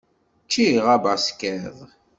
Ččiɣ abaskiḍ.